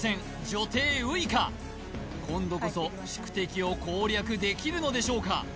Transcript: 女帝ウイカ今度こそ宿敵を攻略できるのでしょうか？